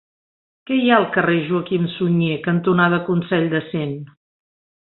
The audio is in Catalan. Què hi ha al carrer Joaquim Sunyer cantonada Consell de Cent?